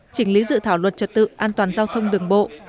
chỉnh lý dự thảo luật trật tự an toàn giao thông đường bộ